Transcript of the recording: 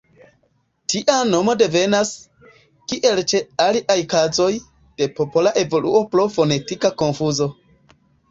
Tia nomo devenas, kiel ĉe aliaj kazoj, de popola evoluo pro fonetika konfuzo.